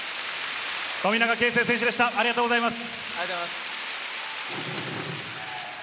富永啓生選手でした、ありがとうございます。